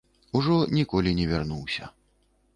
Ужо ніколі не вярнуўся.